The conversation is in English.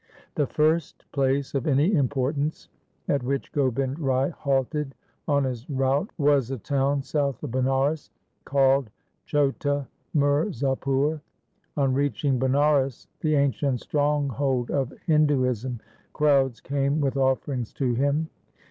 The first place of any importance at which Gobind Rai halted on his route was a town south of Banaras called Chhota Mirzapur. On reaching Banaras, the ancient stronghold of Hinduism, crowds came with offerings to him.